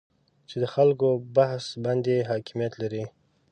چې د خلکو بحث باندې حاکمیت لري